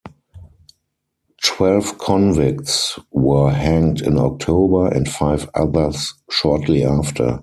Twelve convicts were hanged in October, and five others shortly after.